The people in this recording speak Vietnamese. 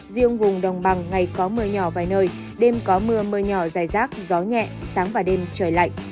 riêng vùng đồng bằng ngày có mưa nhỏ vài nơi đêm có mưa mưa nhỏ dài rác gió nhẹ sáng và đêm trời lạnh